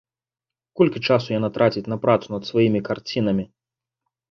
Колькі часу яна траціць на працу над сваімі карцінамі?